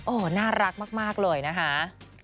โอ้โหน่ารักมากเลยนะคะ